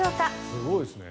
すごいですね。